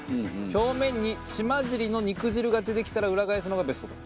表面に血まじりの肉汁が出てきたら裏返すのがベストと。